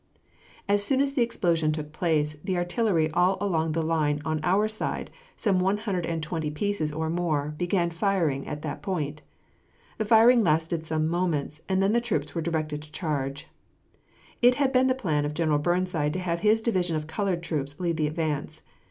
As soon as the explosion took place, the artillery all along the line on our side, some one hundred and twenty pieces or more, began firing at that point. The firing lasted some moments, and then the troops were directed to charge. It had been the plan of General Burnside to have his division of colored troops lead the advance.